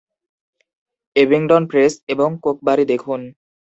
Abingdon press এবং কোকবারি দেখুন।